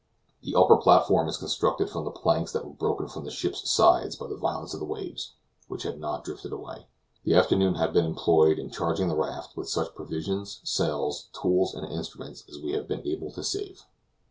The upper platform is constructed from the planks that were broken from the ship's sides by the violence of the waves, and which had not drifted away. The afternoon has been employed in charging the raft with such provisions, sails, tools, and instruments as we have been able to save.